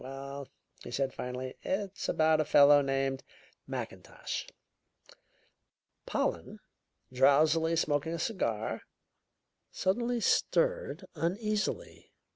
"Well," he said finally, "it's about a fellow named Mackintosh." Pollen, drowsily smoking a cigar, suddenly stirred uneasily.